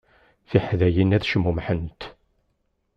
Tiḥdayin ad cmumḥent.